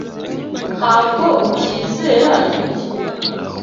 Ntabwo ucyizera ibyo?